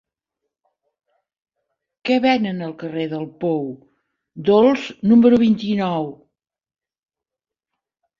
Què venen al carrer del Pou Dolç número vint-i-nou?